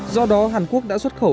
do đó hàn quốc đã xuất khẩu